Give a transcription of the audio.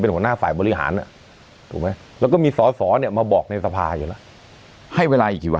หรือมีกำหนดไหมว่า